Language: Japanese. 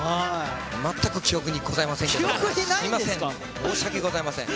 全く記憶にございませんけど。